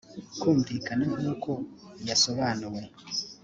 kumvikana nk uko yasobanuwe